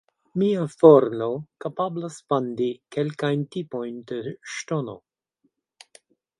Mia forno kapablas fandi kelkajn tipojn de ŝtono.